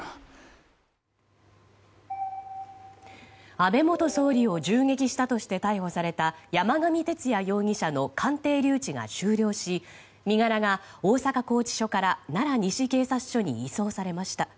安倍元総理を銃撃したとして逮捕された山上徹也容疑者の鑑定留置が終了し身柄が大阪拘置所から奈良西警察署に移送されました。